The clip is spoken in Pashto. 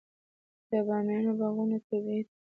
د بامیان باغونه طبیعي دي.